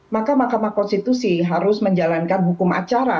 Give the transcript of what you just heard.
maka mahkamah konstitusi harus menjalankan hukum acara